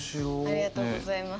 ありがとうございます。